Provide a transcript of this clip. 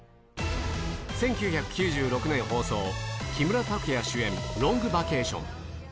１９９６年放送、木村拓哉主演、ロングバケーション。